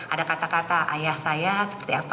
ada kata kata ayah saya seperti apa